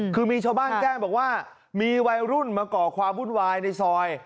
คือมีชาวบ้านแจ้งบอกว่ามีวัยรุ่นมาก่อความวุ่นวายในซอย